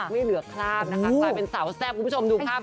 ไม่เหลือคราบนะคะกลายเป็นสาวแซ่บคุณผู้ชมดูภาพ